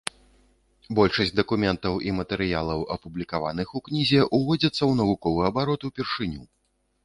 Большасць дакументаў і матэрыялаў, апублікаваных у кнізе, уводзяцца ў навуковы абарот упершыню.